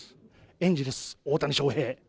エンゼルス、大谷翔平。